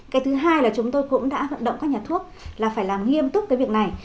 cái thứ hai là chúng tôi cũng đã vận động các nhà thuốc là phải làm nghiêm túc cái việc này